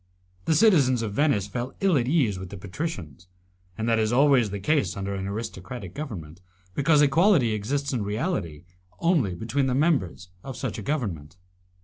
The citizens of Venice felt ill at ease with the patricians, and that is always the case under an aristocratic government, because equality exists in reality only between the members of such a government.